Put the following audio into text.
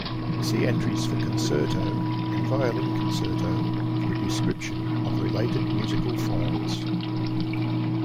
See entries for concerto and violin concerto for a description of related musical forms.